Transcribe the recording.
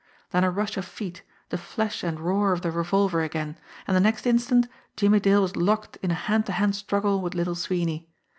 Then a rush of feet, the flash and roar of the revolver again, and the next instant Jimmie Dale was locked in a hand to hand struggle with Little Sweeney.